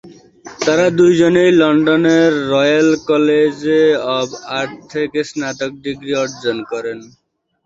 তারা দুজনেই লন্ডনের রয়্যাল কলেজ অব আর্ট থেকে স্নাতক ডিগ্রি অর্জন করেন।